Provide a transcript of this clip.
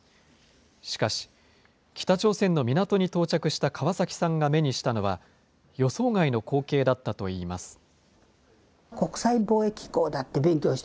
しかし、北朝鮮の港に到着した川崎さんが目にしたのは、予想外の光景だったといいます。